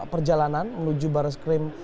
perjalanan menuju baris krim